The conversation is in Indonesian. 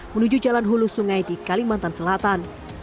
menuju jalan hulu sungai di kalimantan selatan